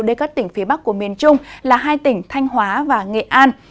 đến các tỉnh phía bắc của miền trung là hai tỉnh thanh hóa và nghệ an